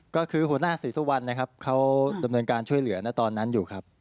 ก็คือหุนอ้าศสุวรรณเขาดำเนินการช่วยเหลือนานตอนนั้นอยู่ครับ